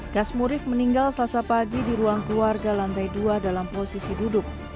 kasmurif meninggal selasa pagi di ruang keluarga lantai dua dalam posisi duduk